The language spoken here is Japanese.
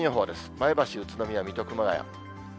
前橋、宇都宮、水戸、熊谷。